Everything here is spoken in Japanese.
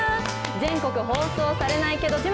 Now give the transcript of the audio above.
全国放送されないけど自慢。